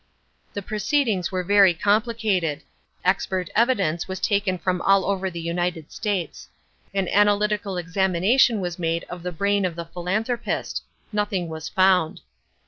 The proceedings were very complicated—expert evidence was taken from all over the United States. An analytical examination was made of the brain of the philanthropist. Nothing was found.